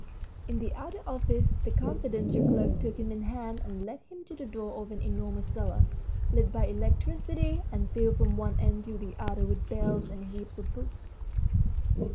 In the outer office the confidential clerk took him in hand and led him to the door of an enormous cellar, lit by electricity and filled from one end to the other with bales and heaps of books.